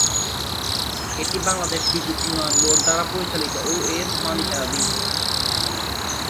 এটি বাংলাদেশ বিদ্যুৎ উন্নয়ন বোর্ড দ্বারা পরিচালিত ও এর মালিকানাধীন।